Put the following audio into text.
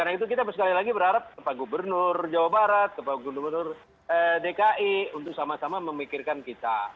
karena itu kita sekali lagi berharap pak gubernur jawa barat pak gubernur dki untuk sama sama memikirkan kita